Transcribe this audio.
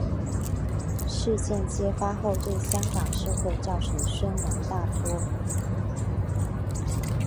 事件揭发后对香港社会造成轩然大波。